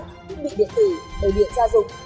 thích bị điện tử đồ điện gia dục